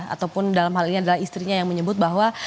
ataupun dalam hal ini adalah istrinya yang menyebut bahwa